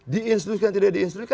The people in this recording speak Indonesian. diinstruksi atau tidak diinstruksi